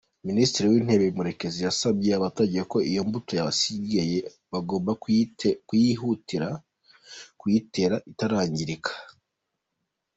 Minisitiri w’Intebe Murekezi yasabye abaturage ko iyo mbuto yasigaye bagomba kwihutira kuyitera itarangirika.